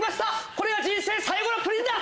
これが人生最後のプリンだ！